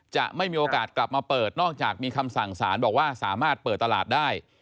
จะไม่มีโอกาสกลับมาเปิดนอกจากมีคำสั่งสารบอกว่าสามารถเปิดตลาดได้